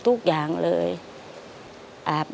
ผมคิดว่าสงสารแกครับ